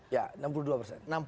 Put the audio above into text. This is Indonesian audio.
ya enam puluh dua persen